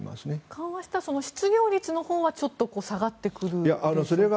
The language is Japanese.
緩和したら失業率のほうはちょっと下がってくるんでしょうか。